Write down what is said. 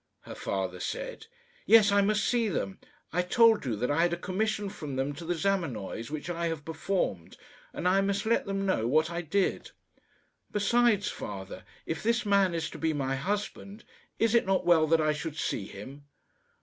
her father said. "Yes, I must see them. I told you that I had a commission from them to the Zamenoys, which I have performed, and I must let them know what I did. Besides, father, if this man is to be my husband, is it not well that I should see him?"